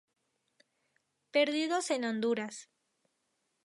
Perdidos en Honduras".